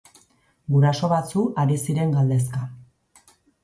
Guraso batzu ari ziren galdezka.